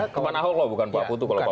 teman ahok loh bukan pak putu kalau pak putu